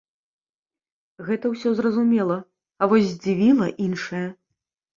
Гэта ўсё зразумела, а вось здзівіла іншае.